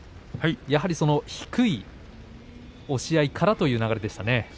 やはり低い押し合いからというそうですね。